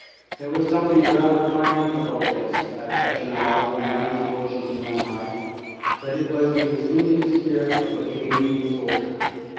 There was something rather fine about this at such an hour, when men s emotions run high, but it was the instinctive spirit of the Canadian soldier.